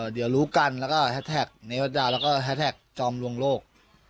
เดี๋ยวรู้กันแล้วก็แฮสแท็กเนวัตดาวแล้วก็แฮชแท็กจอมลวงโลก